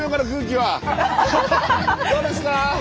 どうですか？